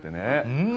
うん。